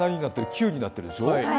９になってるでしょう？